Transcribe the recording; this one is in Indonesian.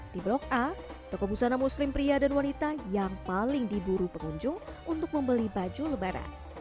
di blok a tokoh busana muslim pria dan wanita yang paling diburu pengunjung untuk membeli baju lebaran